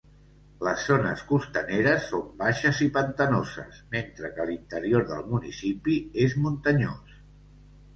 Les zones costaneres són baixes i pantanoses, mentre que l'interior del municipi és muntanyós.